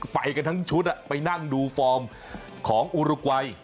ไปกันทั้งชุดไปนั่งดูฟอร์มของอุรกวัย